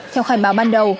theo khải báo ban đầu